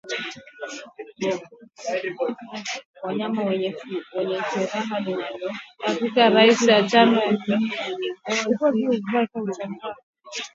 Kabla ya uchaguzi utakao amua rais wa tano wa taifa hilo.